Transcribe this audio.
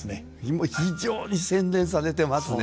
もう非常に洗練されてますね。